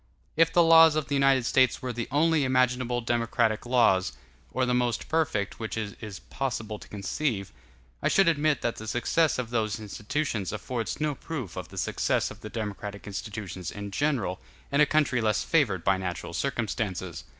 If the laws of the United States were the only imaginable democratic laws, or the most perfect which it is possible to conceive, I should admit that the success of those institutions affords no proof of the success of democratic institutions in general, in a country less favored by natural circumstances.